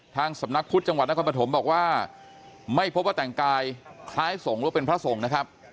ทางสำนักพุทธจังหวัดนครปฐมบอกว่าไม่พบว่าแต่งกายคล้ายสงฆ์หรือว่าเป็นพระสงฆ์นะครับ